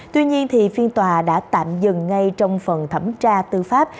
tuy nhiên phiên tòa đã tạm dừng ngay trong phần thẩm tra tư pháp